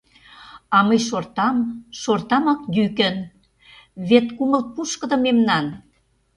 А мый шортам, шортамак йӱкын, Вет кумыл пушкыдо мемнан.